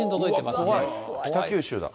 北九州だ。